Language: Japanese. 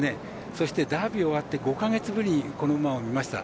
そしてダービーが終わって５か月ぶりにこの馬を見ました。